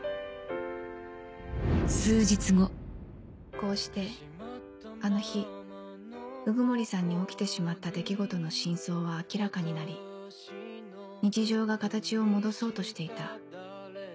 こうしてあの日鵜久森さんに起きてしまった出来事の真相は明らかになり日常が形を戻そうとしていた